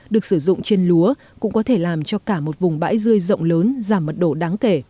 được sử dụng trên lúa cũng có thể làm cho cả một vùng bãi dươi rộng lớn giảm mật độ đáng kể